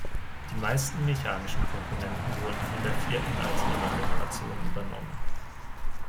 Die meisten mechanischen Komponenten wurden von der vierten Altima-Generation übernommen.